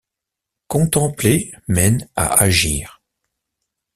Contempler mène à agir.